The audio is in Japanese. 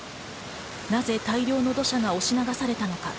なぜ大量の土砂が押し流されたのか。